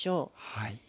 はい。